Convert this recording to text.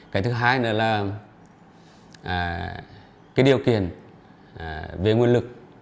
cái thứ hai nữa là cái điều kiện về nguồn lực